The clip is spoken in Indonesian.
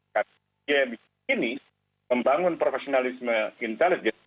ketika ini membangun profesionalisme intelijen